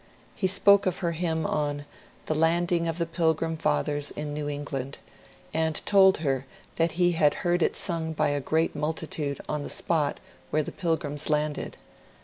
He spoke of her hymn on " The Landing of the Pilgrim Fathers in New England," and told her that he had heard it sung by a great multitude on the spot where the Pilgrims landed.